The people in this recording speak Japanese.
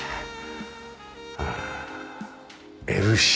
ああＬＣ。